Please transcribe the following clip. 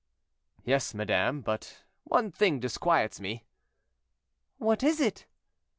"Yes, madame, but one thing disquiets me." "What is it?"